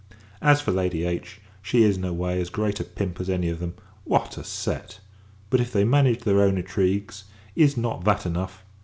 As for your friend Lady H , she is, in her way, as great a pimp as any of them. What a set! But, if they manage their own intrigues, is not that enough!